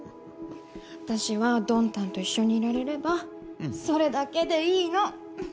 私はドンタンと一緒にいられればそれだけでいいの。